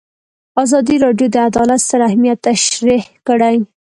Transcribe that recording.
ازادي راډیو د عدالت ستر اهميت تشریح کړی.